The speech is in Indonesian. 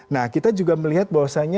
nah kita juga melihat bahwasannya